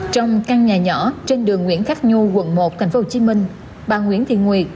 trong căn nhà nhỏ trên đường nguyễn khắc nhu quận một tp hcm bà nguyễn thị nguyệt